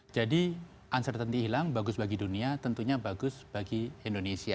jadi uncertainty hilang bagus bagi dunia tentunya bagus bagi indonesia